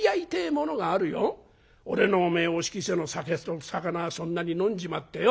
俺のお仕着せの酒と肴そんなに飲んじまってよ！